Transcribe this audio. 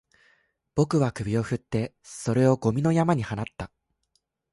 僕は首を振って、それをゴミの山に放った